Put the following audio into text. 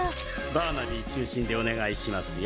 バーナビー中心でお願いしますよ。